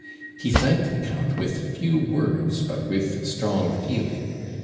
He thanked the count with few words, but with strong feeling.